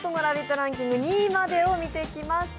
ランキング２位までを見てきました。